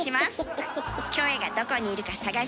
キョエがどこにいるか探して下さい。